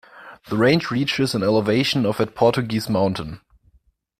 The range reaches an elevation of at Portuguese Mountain.